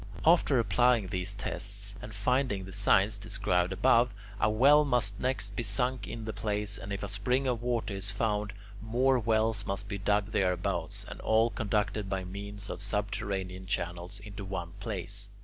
After applying these tests and finding the signs described above, a well must next be sunk in the place, and if a spring of water is found, more wells must be dug thereabouts, and all conducted by means of subterranean channels into one place.